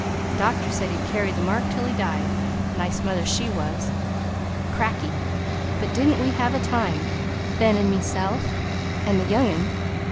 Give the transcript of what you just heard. Doctor said he'd carry the mark till he died. A nice mother she was! Crackey! but didn't we have a time Ben 'n' mehself 'n' the young un.